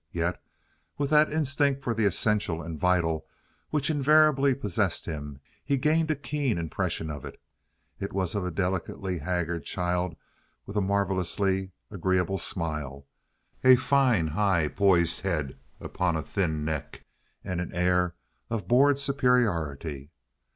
Yet, with that instinct for the essential and vital which invariably possessed him, he gained a keen impression of it. It was of a delicately haggard child with a marvelously agreeable smile, a fine, high poised head upon a thin neck, and an air of bored superiority.